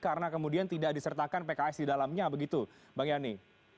karena kemudian tidak disertakan pks di dalamnya begitu bang yani